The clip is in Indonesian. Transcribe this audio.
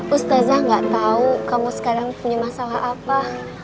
ustazah gak tahu kamu sekarang punya masalah apa